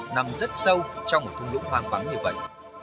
nằm rất sâu trong một thung lũng hoang vắng như vậy